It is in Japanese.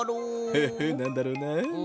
フフッなんだろうな？